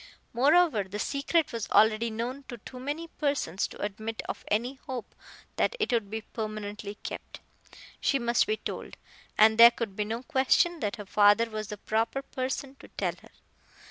Moreover, the secret was already known to too many persons to admit of any hope that it would be permanently kept. She must be told, and there could be no question that her father was the proper person to tell her.